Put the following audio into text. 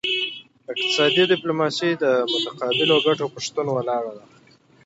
اقتصادي ډیپلوماسي د متقابلو ګټو په شتون ولاړه ده